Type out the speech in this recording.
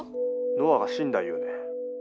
ノアが死んだ言うねん。